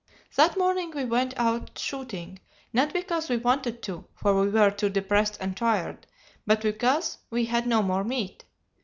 "That morning we went out shooting, not because we wanted to, for we were too depressed and tired, but because we had no more meat.